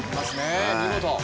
見事。